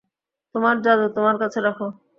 তোমার জাদু তোমার কাছে রাখো।